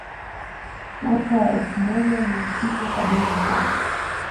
Mwaka wa elfu moja mia tisa sabini na saba